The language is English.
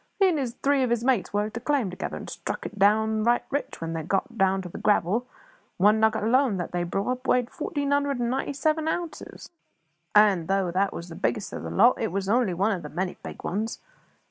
He and three of his mates worked a claim together, and struck it downright rich when they got down to the gravel; one nugget alone that they brought up weighed fourteen hundred and ninety seven ounces; and though that was the biggest of the lot, it was only one of many big ones.